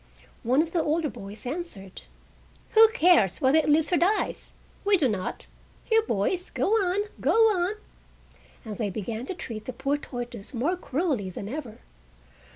One of the older boys answered: "Who cares whether it lives or dies? We do not. Here, boys, go on, go on!" And they began to treat the poor tortoise more cruelly than ever.